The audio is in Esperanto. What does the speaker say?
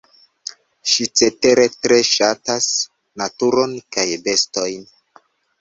Ŝi cetere tre ŝatas naturon kaj bestojn.